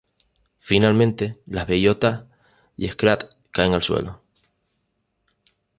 Finalmente, las bellotas y Scrat caen al suelo.